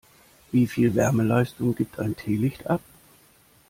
Wie viel Wärmeleistung gibt ein Teelicht ab?